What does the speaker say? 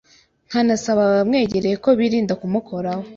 nkanasaba abamwegereye ko birinda kumukoraho